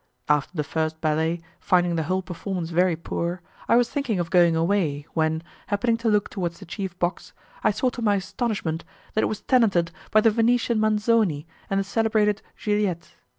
After the first ballet, finding the whole performance very poor, I was thinking of going away, when, happening to look towards the chief box, I saw to my astonishment that it was tenanted by the Venetian Manzoni and the celebrated Juliette.